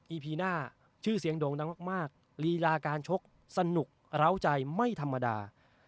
พีน่าชื่อเสียงโด่งดังมากลีลาการชกสนุกร้าวใจไม่ธรรมดา